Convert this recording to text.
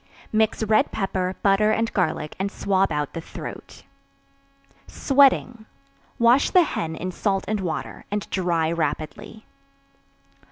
Mix red pepper, butter and garlic and swab out the throat. Sweating. Wash the hen in salt and water, and dry rapidly.